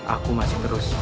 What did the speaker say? aku masih terus